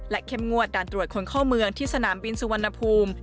เข้มงวดด่านตรวจคนเข้าเมืองที่สนามบินสุวรรณภูมิ